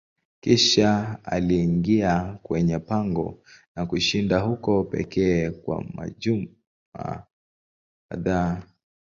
Kisha aliingia kwenye pango na kushinda huko pekee kwa majuma kadhaa.